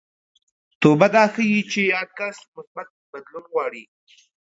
توبه دا ښيي چې یاد کس مثبت بدلون غواړي